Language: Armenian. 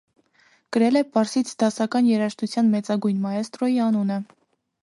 Կրել է պարսից դասական երժշտության մեծագույն մաեստրոյի անունը։